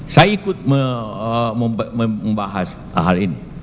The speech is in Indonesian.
saya ikut membahas hal ini